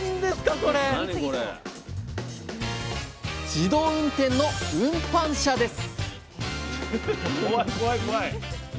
自動運転の運搬車です！